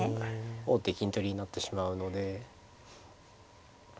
王手金取りになってしまうので。